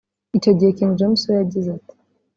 Icyo gihe King James we yagize ati